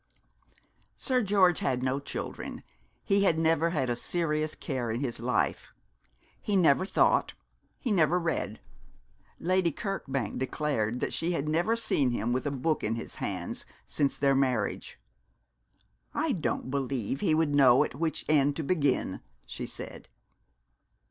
Sir George had no children; he had never had a serious care in his life. He never thought, he never read. Lady Kirkbank declared that she had never seen him with a book in his hands since their marriage. 'I don't believe he would know at which end to begin,' she said.